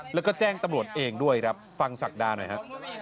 แล้วก็แจ้งตำรวจเองด้วยครับฟังศักดาหน่อยฮะ